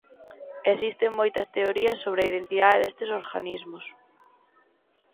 Existen moitas teorías sobre a identidade destes organismos.